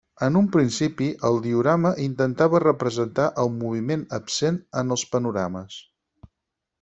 En un principi el diorama intentava representar el moviment absent en els panorames.